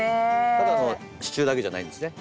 ただの支柱だけじゃないんですね。